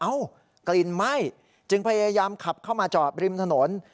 กลิ่นไหม้จึงพยายามขับเข้ามาจอดริมถนน